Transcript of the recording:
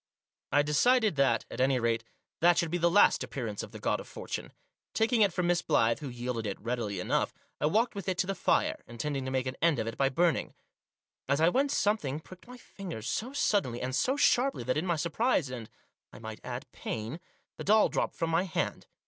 I decided that, at any rate, that should be the last appearance of the God of Fortune. Taking it from Miss Blyth, who yielded it readily enough, I walked with it to the fire, intending to make an end of it by burning. As I went something pricked my fingers so suddenly, and so sharply, that in my surprise and, I might add, pain, the doll dropped from my hand.